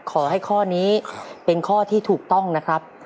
ขอให้ข้อนี้เป็นข้อที่ถูกต้องนะครับ